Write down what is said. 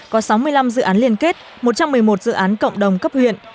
có sáu mươi năm dự án liên kết một trăm một mươi một dự án cộng đồng cấp huyện